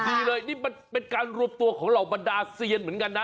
ดีเลยนี่มันเป็นการรวมตัวของเหล่าบรรดาเซียนเหมือนกันนะ